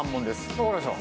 わかりました。